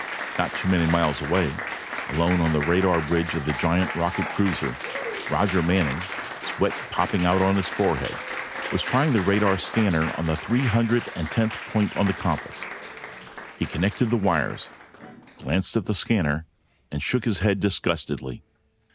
Not too many miles away, alone on the radar bridge of the giant rocket cruiser, Roger Manning, sweat popping out on his forehead, was trying the radar scanner on the three hundred and tenth point on the compass. He connected the wires, glanced at the scanner, and shook his head disgustedly.